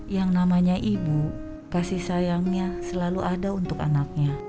yang namanya ibu kasih sayangnya selalu ada untuk anaknya